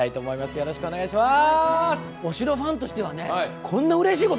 よろしくお願いします。